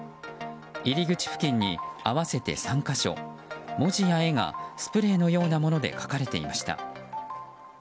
入り口付近に合わせて３か所文字や絵がスプレーのようなもので描かれていました。